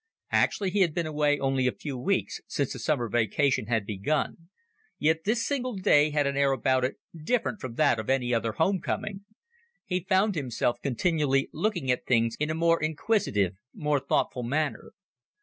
Actually, he had been away only a few weeks, since the summer vacation had begun, yet this single day had an air about it different from that of any other homecoming. He found himself continually looking at things in a more inquisitive, more thoughtful manner.